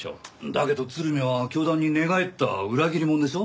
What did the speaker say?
だけど鶴見は教団に寝返った裏切り者でしょ？